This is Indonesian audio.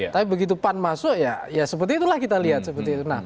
tapi begitu pan masuk ya seperti itulah kita lihat